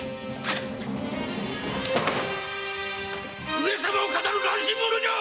上様を騙る乱心者じゃ！